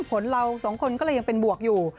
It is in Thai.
ผลเราสองคนก็เลยยังเป็นบวกอยู่